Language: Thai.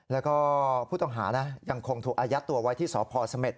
แล้วก็ผู้ต้องหานะยังคงถูกอายัดตัวไว้ที่สพเสม็ด